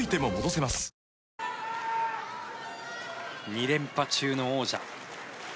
２連覇中の王者。